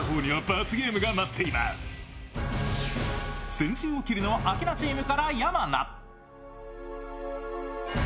先陣を切るのはアキナチームから山名。